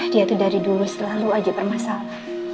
dia tuh dari dulu selalu aja permasalah